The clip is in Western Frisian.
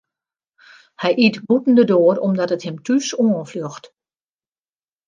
Hy yt bûten de doar omdat it him thús oanfljocht.